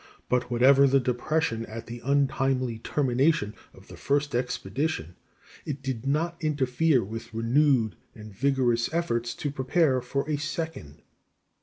But whatever the depression at the untimely termination of the first expedition, it did not interfere with renewed and vigorous efforts to prepare for a second.